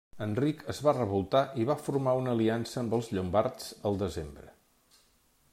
Enric es va revoltar i va formar una aliança amb els llombards el desembre.